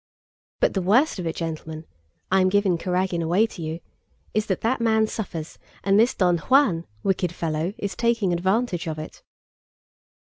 "But the worst of it, gentlemen—I am giving Kurágin away to you—is that that man suffers, and this Don Juan, wicked fellow, is taking advantage of it!"